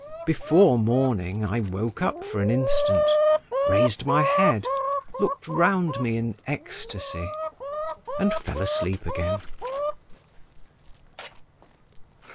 Before morning I woke up for an instant, raised my head, looked round me in ecstasy, and fell asleep again.